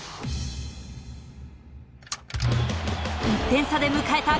１点差で迎えた